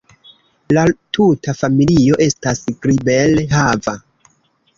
La tuta familio estas kribel-hava.